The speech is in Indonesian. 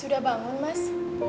sudah bangun mas